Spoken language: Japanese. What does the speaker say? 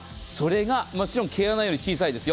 もちろん毛穴より小さいですよ。